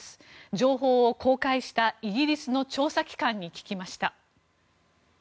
情報を公開したイギリスの調査機関に聞きました。